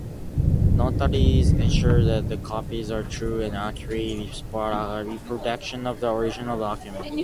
Notaries ensure that the copies are true and accurate reproductions of the original documents.